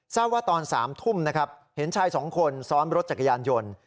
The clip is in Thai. ทราบว่าตอน๓ทุ่มนะครับเห็นชายสองคนซ้อนรถจักรยานยนต์